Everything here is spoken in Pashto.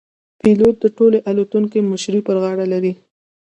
پیلوټ د ټولې الوتکې مشري پر غاړه لري.